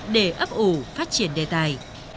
để ấp ủ phát triển đề tài